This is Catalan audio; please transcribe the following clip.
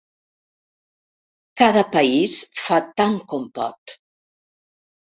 Cada país fa tant com pot.